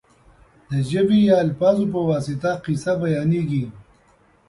د ژبې یا الفاظو په واسطه کیسه بیانېږي.